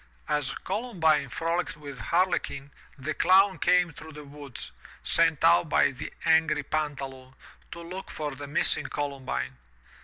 As Columbine frolicked with Harlequin, the Clown came through the woods, sent out by the angry Pantaloon, to look for the missing Columbine.